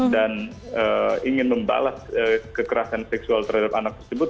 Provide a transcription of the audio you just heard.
dan ingin membalas kekerasan seksual terhadap anak tersebut